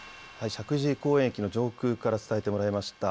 石神井公園駅の上空から伝えてもらいました。